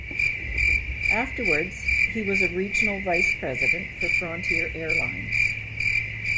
Afterwards, he was a regional vice president for Frontier Airlines.